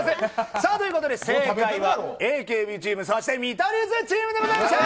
さあ、ということで正解はＡＫＢチーム、そして見取り図チームでございました。